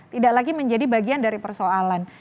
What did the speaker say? tidak lagi menjadi bagian dari persoalan